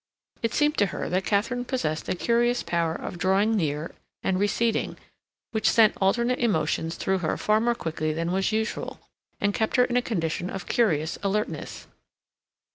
It seemed to her that Katharine possessed a curious power of drawing near and receding, which sent alternate emotions through her far more quickly than was usual, and kept her in a condition of curious alertness.